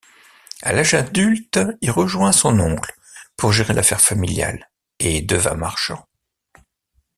À l'âge adulte, il rejoint son oncle pour gérer l'affaire familiale et devint marchand.